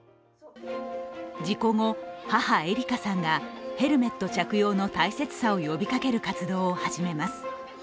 事故後、母・絵里香さんがヘルメット着用の大切さを呼びかける活動を始めます。